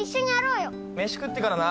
飯食ってからな。